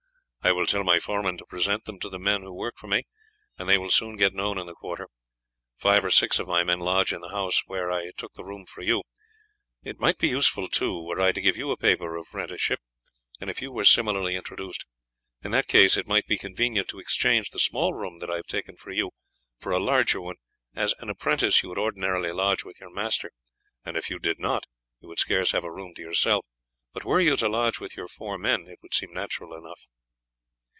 "I will tell my foreman to present them to the men who work for me, and they will soon get known in the quarter. Five or six of my men lodge in the house where I took the room for you. It might be useful, too, were I to give you a paper of apprenticeship, and if you were similarly introduced. In that case it might be convenient to exchange the small room that I have taken for you for a larger one; as an apprentice you would ordinarily lodge with your master, and if you did not you would scarce have a room to yourself, but were you to lodge with your four men it would seem natural enough."